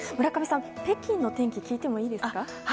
村上さん、北京の天気聞いてもいいですか？